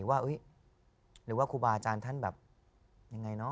หรือว่าคุณบ้าอาจารย์แบบอย่างไรน๊อ